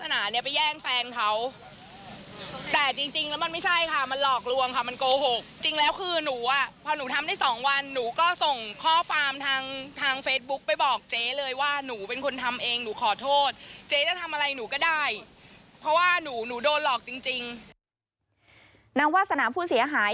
นางวาสนาผู้เสียหาย